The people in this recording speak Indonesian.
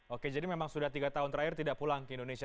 oke jadi memang sudah tiga tahun terakhir tidak pulang ke indonesia